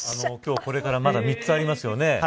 今日これからまだ３つありますよね。